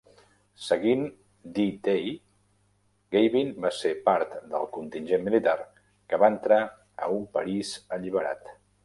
Seguint D-Day, Gabin va ser part del contingent militar que va entrar a un París alliberat.